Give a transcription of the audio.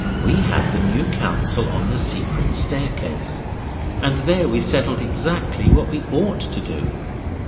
We had the new council on the secret staircase, and there we settled exactly what we ought to do.